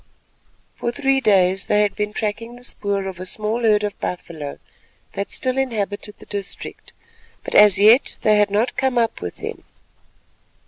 For three days they had been tracking the spoor of a small herd of buffalo that still inhabited the district, but as yet they had not come up with them.